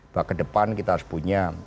bahwa ke depan kita harus punya